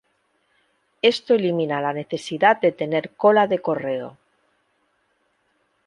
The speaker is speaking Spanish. Esto elimina la necesidad de tener cola de correo.